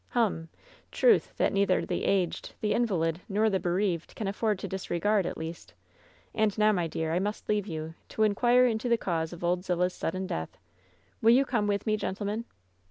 "Hum ! Truth that neither the aged, the invalid nor the bereaved can afford to disregard, at least. And now, my dear, I must leave you, to inquire into the cause of Old Zillah's sudden death. Will you come with me, gentlemen?"